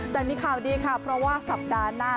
แต่มีข่าวดีค่ะเพราะว่าสัปดาห์หน้า